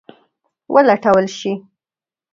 ولټول شي.